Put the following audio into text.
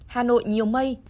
hà nội nhiều mây